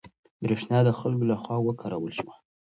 برېښنا د خلکو له خوا وکارول شوه.